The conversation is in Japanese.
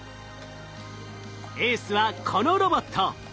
エースはこのロボット。